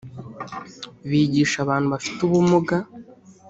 bigisha abantu bafite ubumuga